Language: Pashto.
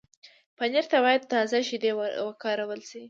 پنېر ته باید تازه شیدې وکارول شي.